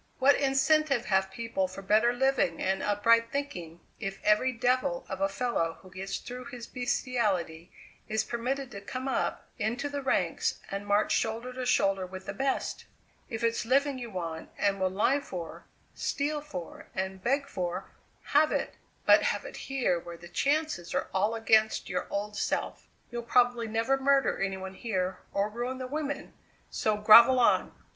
What incentive have people for better living and upright thinking if every devil of a fellow who gets through his beastiality is permitted to come up into the ranks and march shoulder to shoulder with the best? If it's living you want and will lie for, steal for, and beg for have it; but have it here where the chances are all against your old self. You'll probably never murder any one here or ruin the women; so grovel on!"